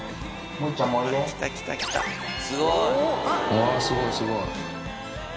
うわすごいすごい。